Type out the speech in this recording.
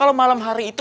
kalo malam hari itu